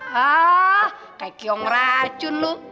hah kayak kiong racun loh